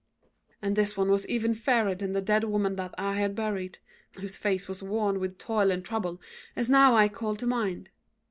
"And this one was even fairer than the dead woman that I had buried, whose face was worn with toil and trouble, as now I called to mind.